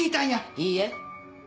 いいえ。